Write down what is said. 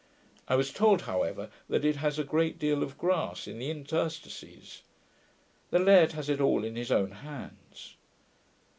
I was told however that it has a great deal of grass, in the interstices. The laird has it all in his own hands.